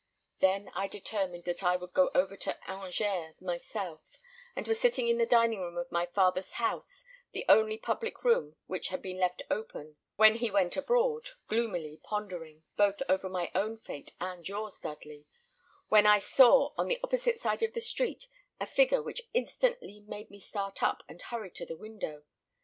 I then determined that I would go over to Angers myself, and was sitting in the dining room of my father's house, the only public room which had been left open when he went abroad, gloomily pondering, both over my own fate and yours, Dudley, when I saw, on the opposite side of the street, a figure which instantly made me start up and hurry to the window.